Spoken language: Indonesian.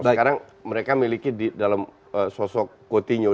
sekarang mereka memiliki dalam sosok coutinho